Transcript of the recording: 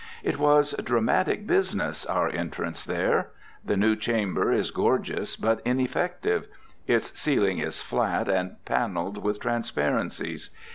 It was dramatic business, our entrance there. The new Chamber is gorgeous, but ineffective. Its ceiling is flat, and panelled with transparencies.